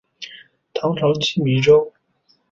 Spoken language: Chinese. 唐朝羁縻州。